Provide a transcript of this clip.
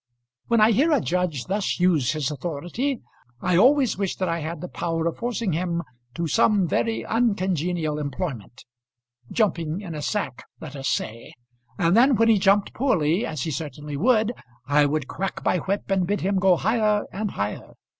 When I hear a judge thus use his authority, I always wish that I had the power of forcing him to some very uncongenial employment, jumping in a sack, let us say; and then when he jumped poorly, as he certainly would, I would crack my whip and bid him go higher and higher.